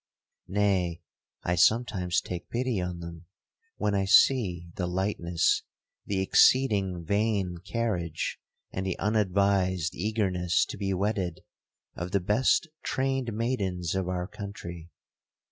Nay, I sometimes take pity on them, when I see the lightness, the exceeding vain carriage, and the unadvised eagerness to be wedded, of the best trained maidens of our country.